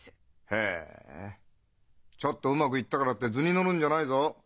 へえちょっとうまくいったからって図に乗るんじゃないぞ。